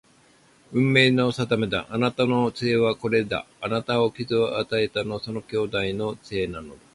運命の定めだ。あなたの杖はこれだが、あなたに傷を与えたのはその兄弟杖なのだ